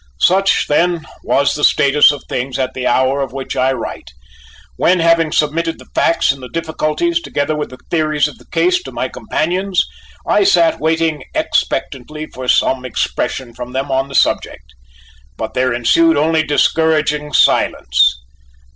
Such, then, was the status of things at the hour of which I write, when having submitted the facts and the difficulties, together with my theories of the case, to my companions, I sat waiting expectantly for some expression from them on the subject: but there ensued only discouraging silence.